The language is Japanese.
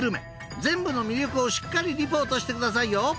全部の魅力をしっかりリポートしてくださいよ］